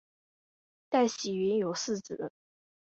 戴喜云有四子。